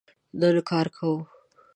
نن کار کوو